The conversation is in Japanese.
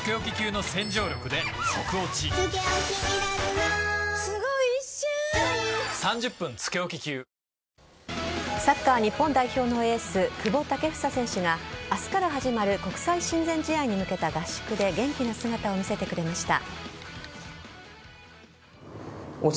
また、ブリンケン国務長官はイスラエル軍によってサッカー・日本代表のエース久保建英選手が明日から始まる国際親善試合に向けた合宿で元気な姿を見せてくれました。